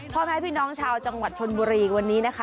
พ่อแม่พี่น้องชาวจังหวัดชนบุรีวันนี้นะคะ